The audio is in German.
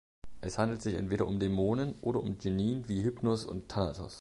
Es handelt sich entweder um Dämonen oder um Genien wie Hypnos und Thanatos.